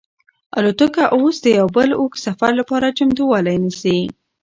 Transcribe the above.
الوتکه اوس د یو بل اوږد سفر لپاره چمتووالی نیسي.